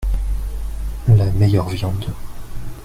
La meilleure viande.